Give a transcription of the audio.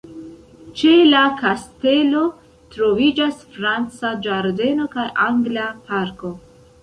Ĉe la kastelo troviĝas franca ĝardeno kaj angla parko.